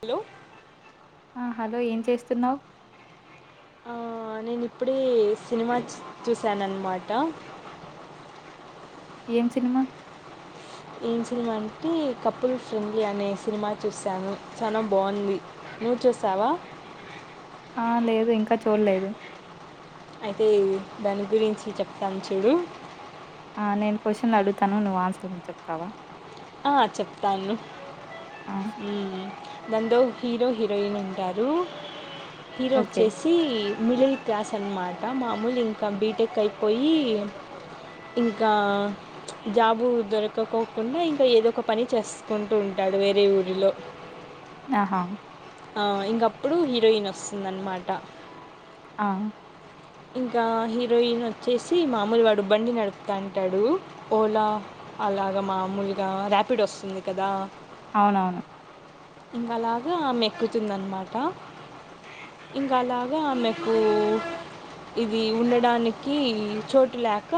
Hello ఆ hello ఏం చేస్తున్నావ్ ఆ నేన్ ఇప్పుడే సినిమా చూసానన్ మాట ఏం సినిమా ఏం సినిమా అంటే కపుల్ ఫ్రెండ్లీ అనే సినిమా చూసాను, చానా బాగుంది నువ్ చూసావా. ఆ లేదు ఇంకా చూడలేదు అయితే దాని గురించి చెప్తాను చూడు ఆ నేను క్వశ్చన్ అడుగుతాను నువ్వు ఆన్సర్ చెప్తావా ఆ చెప్తాను ఆ! దానిలో హీరో హీరోయిన్ ఉంటారు హీరో ఓకే. వచ్చేసి మిడిల్ క్లాస్ అనమాట మామూలు ఇంకా బీటెక్ అయిపోయి ఇంకా జాబు దొరకకోకుండా ఇం ఏదో ఒక పని చేసుకుంటూ ఉంటాడు వేరే ఊరిలో ఆహా ఆ ఇంకప్పుడు హీరోయిన్ వస్తుందన్నమాట ఆ ఇంకా హీరోయిన్ వచ్చేసి మామూలు వాడు బండి నడుపుతా అంటాడు ఓలా అలాగా మామూలుగా ర్యాపిడో వస్తుంది కదా అవునవును ఇంకాఅలాగా ఆమె ఎక్కుతుందన్నమాట ఇంకాఅ లాగా ఆమెకు ఇది ఉండడానికి చోటు లేక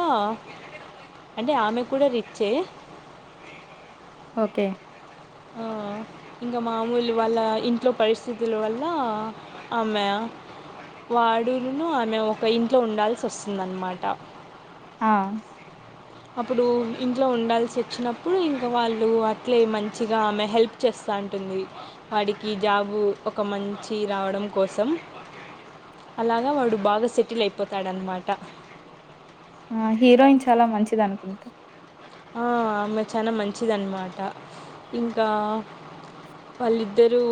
అంటే ఆమె కూడ రిచ్చే ఒకే ఇంకా మామూలు వాళ్ళ ఇంట్లో పరిస్థితుల వల్ల ఆమె వాడునును ఆమె ఒక ఇంట్లో ఉండాల్సి వస్తుందన్నమాట ఆ అప్పుడు ఇంట్లో ఉండాల్సి వచ్చినప్పుడు ఇంకా వాళ్ళు అట్లే మం మంచిగా ఆమె హెల్ప్ చేస్తూ ఉంటుంది వాడికి జాబు ఒక మంచి రావడం కోసం అలాగా వాడు బాగా సెటిల్ అయిపోతాడన్న మాట ఆ హీరోయిన్ చాలా మంచిది అనుకుంట ఆ ఆమె చాలా మంచిదన్నమాట ఇంకా వాళ్ళిద్దరూ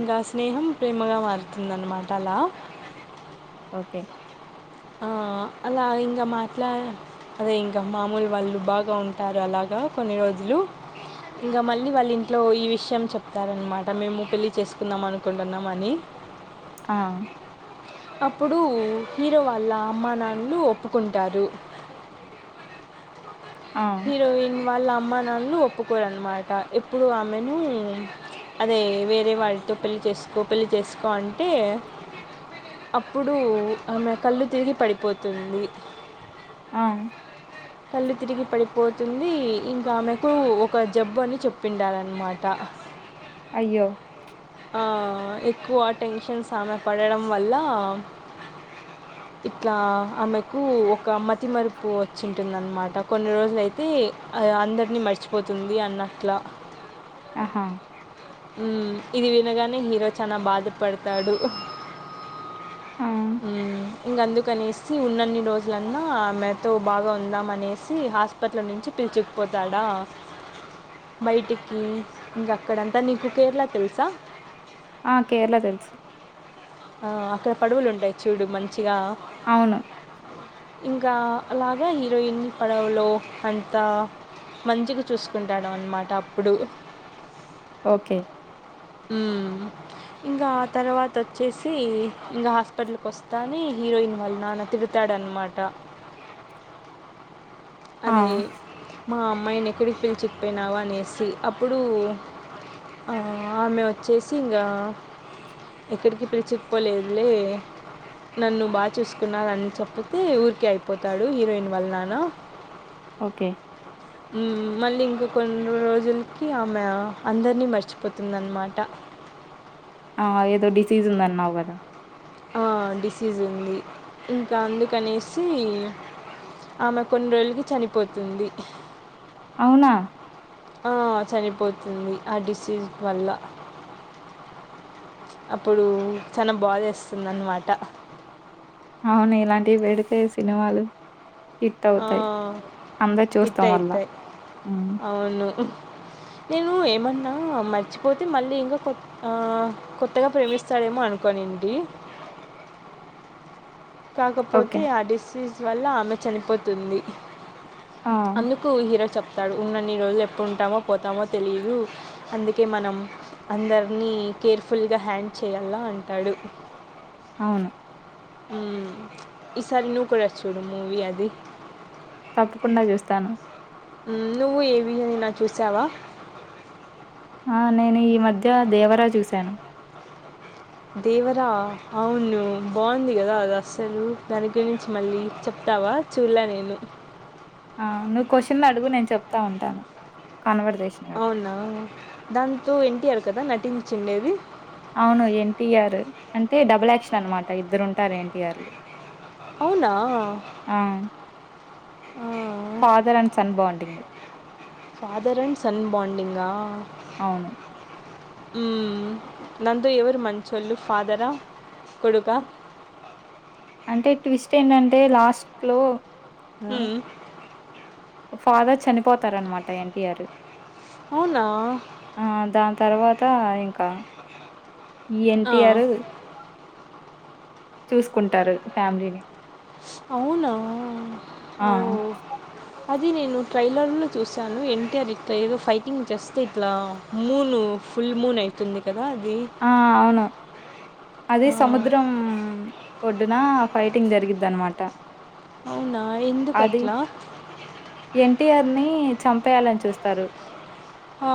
ఇంకా స్నేహం ప్రేమగా మారుతుందన్నమాట అలా ఓకే. ఆ అలా ఇంగా మాట్లా అదే ఇంగా మాములు వాళ్ళు బాగా ఉంటారు, అలాగా కొన్ని రోజులు ఇంగ మళ్ళీ వాళ్ళ ఇంట్లో ఈ విషయం చెప్తారన్మాట మేము పెళ్ళి చేసుకుందాం అనుకుంటున్నాం అని, ఆ అప్పుడు హీరో వాళ్ళ అమ్మా నాన్నలు ఒప్పుకుంటారు. ఆ! హీరోయిన్ వాళ్ళ అమ్మ నాన్నలు ఒప్పుకోరన్మాట ఎప్పుడు ఆమెను అదే వేరే వాళ్ళతో పెళ్లి చేసుకో పెళ్ళి చేసుకో అంటే అప్పుడు ఆమె కళ్ళు తిరిగి పడిపోతుంది. ఆ కళ్ళు తిరిగి పడిపో పోతుంది ఇంకా ఆమెకు ఒక జబ్బు అని చెప్పిండాన్నమాట అయ్యో ఎక్కువ టెన్షన్ ఆమె పడడం వల్ల ఇట్లా ఆమెకు ఒక మతి మరుపు వచ్చింటుందన్నమాట కొన్ని రోజులయితే అందరినీ మర్చిపోతుంది అన్నట్ల ఆహా మ్మ్ ఇది వినగానే హీరో చానా బాధపడుతాడు, ఆ! మ్మ్ అందుకనేసి ఉన్నన్ని రోజులన్నా ఆమేతో బాగా ఉందామనేసి హాస్పిటల్ నుంచి పిలుచుకుపోతాడా బయటికి ఇంగ అక్కడంతా నీకు కేేరళా తెల్స్, చ ఆ కేరళ తెల్చు ఆ అక్కడ పడువులు ఉంటాయి చూడు మంచిగా అవును ఇంకా అలాగా హీరోయిన్ని పడవలో అంతా మంచిగ చూసుకుంటాడు అనమాట అప్పుడు ఓకే ఊమ్ ఇంగ ఆ తర్వాత తొ చ్చేసి ఇంకా హాస్పిటల్కి ఒస్తాని హీరోయిన్ వాళ్ల నాన్న తిడతాడనమాట ఆ! అదే మా అమ్మాయిని ఎక్కడికి పిలిచకపోయినావనేసి అప్పుడు ఆ ఆమె వచ్చేసి ఇంగ ఎక్కడికి పిలుచుకుపోలేదులే నన్ను బా చూసుకున్నారని చెప్పితే ఊరికే అయిపోతాడు హీరోయిన్ వల నానా ఓకే ఊమ్ మళ్ళీ ఇంకా కొన్ని రోజుల్కి ఆమె అందరినీ మర్చిపోతుందనమాట ఆ ఏదో డిసీజ్ ఉందన్నావు గదా ఆ డిసీస్ ఉంది ఇంకా అందుకనేసి ఆమె కొన్ని రోజులకి చనిపోతుంది హ్హ్ అవునా ఆ చనిపోతుంది ఆ డిసీజ్ వల్ల అప్పుడు చన బాదేస్తుంది అన్నమాట అవును ఇలాంటివి వెడితే సినిమాలు హిట్ ఆ అవుతాయి. అందరూ ఇట్ చూస్తాం మళ్ళా. ఐతయి హ్మ్. అవును నేను ఏమన్నా మర్చిపోతే మళ్ళీ ఇంగ కొ ఆ కొ త్తగా ప్రేమిస్తాడమో అను కొనిండి ఓకే. కాకపోతే ఆ డిసీజ్ వల్ల ఆమె చనిపోతుంది ఆ! అందుకు హీరో చెప్ తాడు ఉన్నన్ని రోజులు ఎప్పుడు ఉంటామో పోతామో తెలీదు అందుకే మనం అందరినీ కేర్ఫుల్గా హ్యాండ్ చేయాల అంటాడు. అవును ఊమ్ ఈసారి నువ్వు కూడా చూడు మూవీ అది ప్పకుండా జూస్తాను ఉమ్ నువ్వు ఏవియో ఐన చూసావా ఆ నేను ఈ మధ్య దేవరా చూసాను దేవరా అవును బాగుంది గదా అది అస్సలు దాని గురించి మళ్ళీ చెప్తావా చూలే నేను ఆ నువ్వు క్వశ్చన్లు అడుగు నేను చెప్తా ఉంటాను కన్వర్జేషన్ గదా! అవునా దాంతో ఎన్టీఆర్ కదా నటించిండేవి అవును ఎన్టీఆర్ అంటే డబుల్ యాక్షన్ అనమాట ఇద్దరు ఉంటారు ఎన్టీఆర్లు అవునా father and son bonding father and son బాడింగా అవును. ఉమ్ నాంతో ఎవరు మంచోళ్ళు ఫాదరా కొడుక అంటే ట్విస్ట్ ఏంటంటే లాస్ట్లో ఊమ్ ఫాదర్ చనిపోతారనమాట ఎన్టీఆరు అవునా తర్వాత ఇంకా ఎన్ టి ఆరు చూసుకుంటారు ఫ్యామిలీని అవునా ఆ! ఓ అది నేను ట్రైలర్ లో చూశాను ఎన్ టి ఆర్ ఇట్లా ఏదో ఫైటింగ్ చేస్తే ఇట్లా మూన్ ఫుల్ మూన్ ఐతుంది క ఆ అవునా అదే ఆ! సముద్రం ఒడ్డున ఫై టింగ్ జరిగిద్దన్నమాట అవునా? అది ఎందుకట్లా? ఎన్ టి ఆర్ ని చంపేయాలని చూస్తారు ఆ!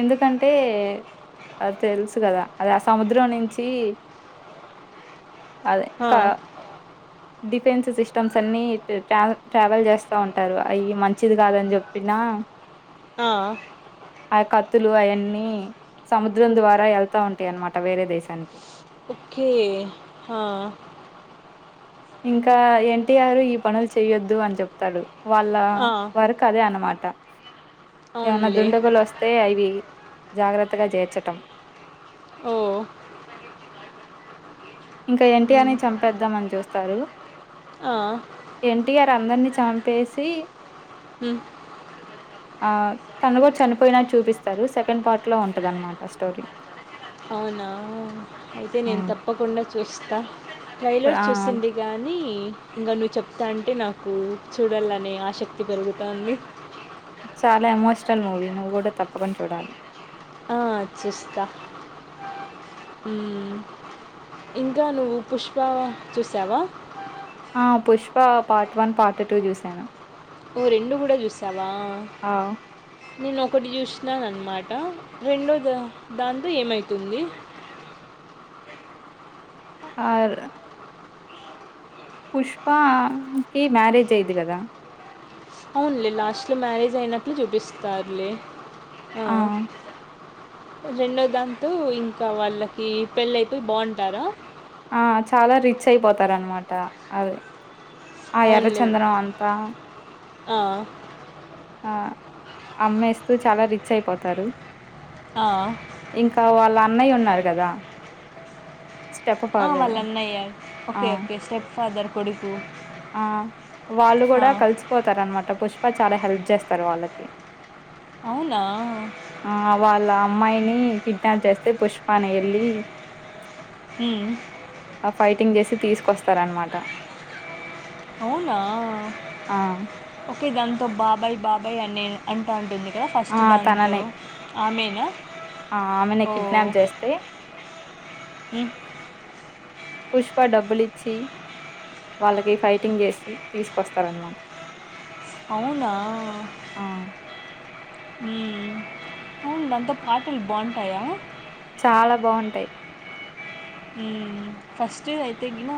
ఎందుకంటే అద్ [unintelligible] తెలుసు కదా అది ఆ సముద్రం నుంచి అదే ఆ! క డిఫెన్స్ సిస్టమ్స్ అన్ని ట్రా ట్రావెల్ చేస్తా ఉంటారు అవి మంచిది కాదని చెప్పిన ఆ ఆ కత్తులు అయన్నీ సము ముద్రం ద్వారా ఎళ్తా ఉంటాయి అనమాట వేరే దేశానికి ఓకే హా ఇంకా ఎన్ టి ఆర్ ఈ పనులు చెయొద్దు అని చెప్తాడు వాళ్ళ ఆ! వరకు అదే అనమా ట ఏమనా అవునులే. దుండగులు వస్తే అవి జాగ్రత్తగా జేర్చటం ఓ ఇంకా ఎన్ టి ఆర్ ని చంపేద్దాం అని చూస్తారు ఆ! ఎన్ టి ఆర్ అందరినీ చంపేసి హు ఆ తను కూడా చనిపోయినా చూపిస్తారు సెకండ్ పార్ట్ లో ఉంటదనమాట స్టోరీ అవునా అయితే నేను హ్మ్. తప్పకుండా చూస్ క ట్రైలర్ ఆ చూసింది గానీ ఇంకా నువ్వు చెప్తా అంటే నాకు చూడాలనే ఆసక్తి పెరుగుతా ఉంది చాలా ఎమోషనల్ మూవీ నువ్వు కూడా తప్పకుండా చూడాలి ఆ చూస్తా మ్మ్ ఇంకా నువ్వు పుష్ప చూసావా ఆ Pushpa part one part two చూసాను ఓ రెండు కూడా చూసా వ ఆ నేను ఒకటి చూసినాను అన్నమాట రెండో దాంతో ఏం అయితుంది ఆ పుష్పా కి మ్యారేజ్ అయిది కదా అవునులే లాస్ట్ లో మ్యారేజ్ అయినట్లు చూపిస్తారులే ఆ రెండో దాంతో ఇంకా వాళ్ళకి పెళ్ళయిపోయి బాగుంటారా ఆ చాలా రిచ్ అయిపోతారు అనమాట అదే ఆ అవునులే. ఎర్రచందనం అంతా ఆ ఆ అమ్మేస్తూ చాలా రిచ్ అయిపోతారు ఆ ఇంకా వాళ్ళ అన్నయ్య ఉండ టాడు కదా ఆ వాళ్ళన్నాయ్యారు ఆ! ఓకే ఓకే స్టెప్ ఫాదర్ కొడుకు ఆ వాళ్ళు ఆ కూడా కలిసిపోతారు అనమాట పుష్ప చాలా హెల్ప్ చేస్త స్తాడు వాళ్ళకి అవునా ఆ వాళ్ళ అమ్మాయిని కిడ్నాప్ చేస్తే పుష్ప నే వెళ్ళి ఉమ్, ఆ ఫైటింగ్ చేసి తీసుకు క్కొస్తారనమాట అవునా దాంట్లో బాబాయి బాబాయి అనే అంటా అంటుంది ఇక్క ఫస్ట్ ఆ! దాంతో తననే ఆమైన ఆమెనే కిడ్నాప్ చేస్తే ఉమ్, పుష్ప డబ్బులిచ్చి వాళ్ళకి ఫైటింగ్ చేసి తీసుకొస్తారనమాట అవునా ఆ! మ్మ్ దాంతో పాటలు బాగుంటాయా చాలా బాగుంటాయి ఫస్ట్ అయితే ఎగిన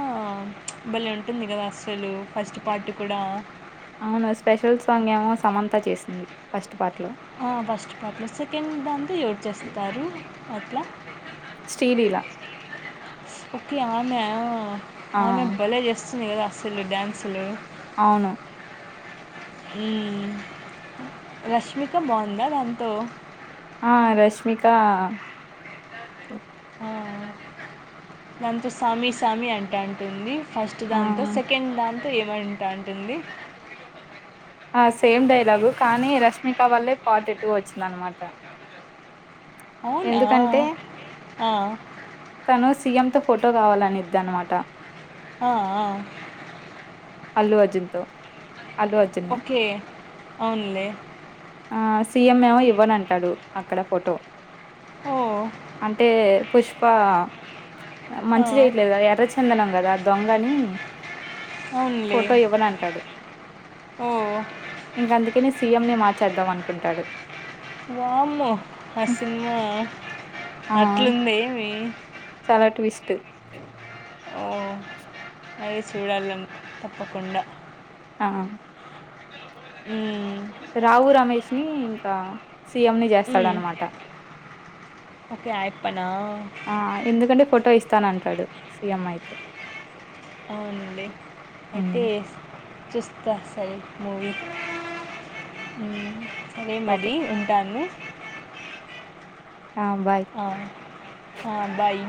బలి ఉంటుంది కదా అసలు ఫస్ట్ పాటు కూడా అవును స్పెషల్ సాంగ్ ఏమో సమంత చేసింది ఫస్ట్ పార్ట్ లో ఫస్ట్ పాట్లు సెకండ్ దాంతో ఎవరు చేస్తారు అట్లా శ్రీలీలా ఓకే ఆమె ఆమె బలే జ చేస్త చెయ్యదు అస్సలు డ్యాన్సులు అవును మ్మ్ రష్మిక బాగుందా దాంతో ఆ రష్మికా దాంతో సామి సామి అంటంటుంది ఫస్ట్ ఆ! దాంతో సెకండ్ దాన్ ఏమంటాంటుంది ఆ సేమ్ డైలాగు కానీ రష్మిక వల్లే పార్ట్ టు వచ్చిందనమాట అవునా ఎందుకంటే ఆ తో ఫోటో కావాలనిద్దనమాట ఆఆ అల్లు అర్జున్ తో అల్లు అర్జున్ని అవున్లే ఆ సీఎం ఏమో ఇవ్వనంటాడు అక్కడ ఫోటో ఓ అంటే పుష్ బ ఆ, మంచి చేయట్లేదు ఎర్రచందనం కదా దొంగ అని అవునులే ఫోటో ఇవ్వనంటాడు ఓ ఇంక అందుకనే సీఎం ని మార్చ అనుకుంటాడు వామ్మో ఆ సినిమా ఆ! అట్లుంది ఏమి చాలా ట్విస్ట్ ఓ అదే చూడాలి నేను తప్పకుండా ఆ మ్మ్ రావు రమేష్ ని ఇంకా సీ ఎం ని మ్మ్. చేస్తాడనమాట ఓకే అయిపోనా ఆ ఎందుకంటే ఫోటో ఇస్తానంటాడు సిఎం అయితే అవునండి ఉమ్ అయితే చూస్త సరి మూవీ సరే ఓకే మరి ఉంటాను ఆ బాయ్ ఆ, ఆ బాయ్